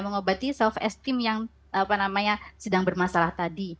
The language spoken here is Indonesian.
mengobati self esteem yang apa namanya sedang bermasalah tadi